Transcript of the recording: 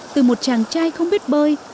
từ một chàng trai không biết bơi